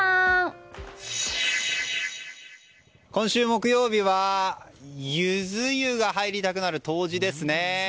今週木曜日は柚子湯が入りたくなる冬至ですね。